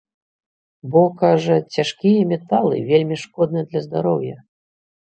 Бо, кажа, цяжкія металы вельмі шкодныя для здароўя.